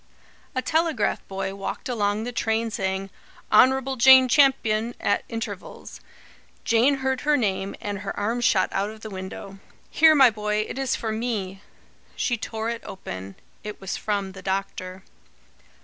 A telegraph boy walked along the train, saying: "Honrubble Jain Champyun" at intervals. Jane heard her name, and her arm shot out of the window. "Here, my boy! It is for me." She tore it open. It was from the doctor.